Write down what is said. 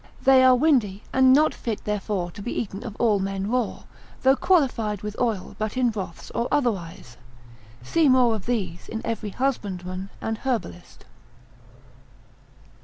They are windy, and not fit therefore to be eaten of all men raw, though qualified with oil, but in broths, or otherwise. See more of these in every husbandman, and herbalist.